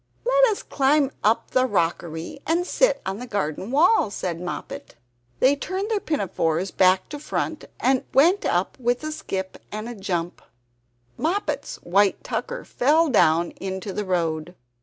"Let us climb up the rockery and sit on the garden wall," said Moppet. They turned their pinafores back to front and went up with a skip and a jump; Moppet's white tucker fell down into the road.